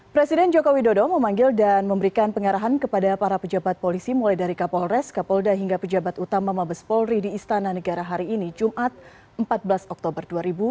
presiden jokowi dodo memanggil dan memberikan pengarahan kepada para pejabat polisi mulai dari kapolres kapolda hingga pejabat utama mabes polri di istana negara hari ini jumat empat belas oktober dua ribu dua puluh